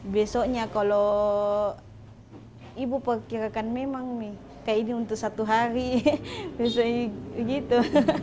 besoknya kalau ibu perkirakan memang ini untuk satu hari besoknya gitu